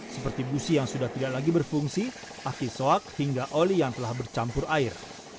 seperti busi yang sudah tidak lagi berfungsi akisoak hingga oli yang telah bercampur air